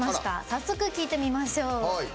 早速、聞いてみましょう。